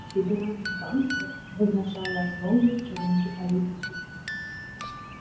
Федэральны канцлер вызначае асноўныя кірункі палітыкі.